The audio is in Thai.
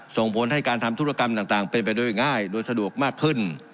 ส่งผลให้การทำธุรกรรมต่างเป็นไปโดยง่ายโดยสะดวกมากขึ้น